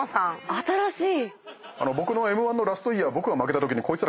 新しい。